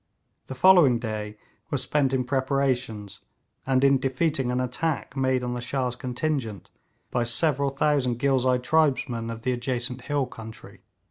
The following day was spent in preparations, and in defeating an attack made on the Shah's contingent by several thousand Ghilzai tribesmen of the adjacent hill country.